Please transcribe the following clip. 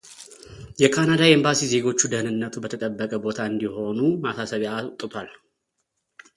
የካናዳ ኤምባሲ ዜጎቹ ደኅንነቱ በተጠበቀ ቦታ እንዲሆኑ ማሳሰቢያ አውጥቷል።